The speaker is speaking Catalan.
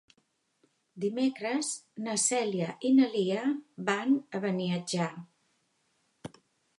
Dimecres na Cèlia i na Lia van a Beniatjar.